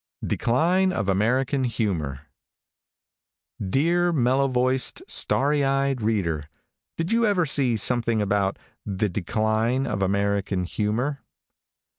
DECLINE OF AMERICAN HUMOR |DEAR, mellow voiced, starry eyed reader, did you ever see something about "the decline of American humor?"